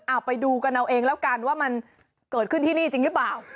เอาไปดูกันเอาเองแล้วกันว่ามันเกิดขึ้นที่นี่จริงหรือเปล่า